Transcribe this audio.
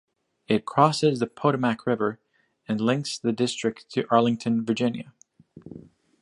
It crosses the Potomac River, and links the District to Arlington, Virginia.